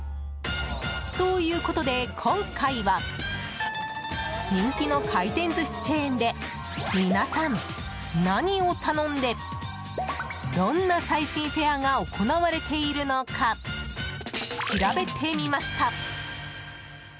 ということで今回は人気の回転寿司チェーンで皆さん、何を頼んでどんな最新フェアが行われているのか調べてみました。